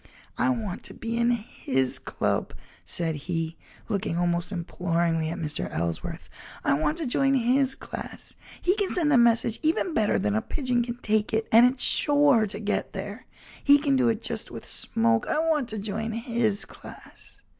"I want to be in his club," said he, looking almost imploringly at Mr. Ellsworth. "I want to join his class; he can send a message even better than a pigeon can take it, and it's sure to get there. He can do it just with smoke. I want to join his class."